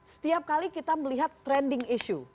setiap kali kita melihat trending issue